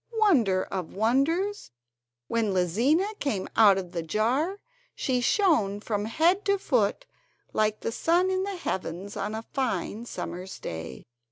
Wonder of wonders! when Lizina came out of the jar she shone from head to foot like the sun in the heavens on a fine summer's day.